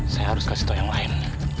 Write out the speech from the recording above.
saya harus kasih tau yang lain